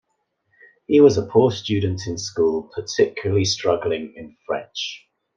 He was a poor student in school, particularly struggling in French.